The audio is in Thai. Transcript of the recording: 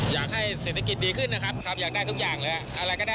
อยากให้เศรษฐกิจดีขึ้นนะครับครับอยากได้ทุกอย่างเลยอะไรก็ได้